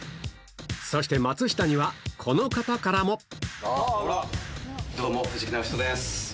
そして松下には、この方からどうも、藤木直人です。